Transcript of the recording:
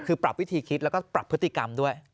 คือปรับวิธีคิดแล้วก็ปรับพฤติกรรมด้วย